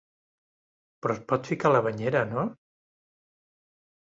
Però es pot ficar a la banyera, no?